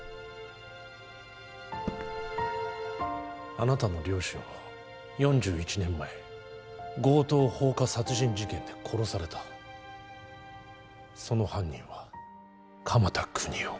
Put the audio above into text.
あなたの両親は４１年前強盗放火殺人事件で殺されたその犯人は鎌田國士